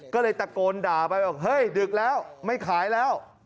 ก็เลยตะโกนด่าไปบอกเฮ้ยดึกแล้วไม่ขายแล้ว